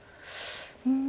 うん。